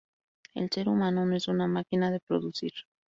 El ser humano no es una máquina de producir.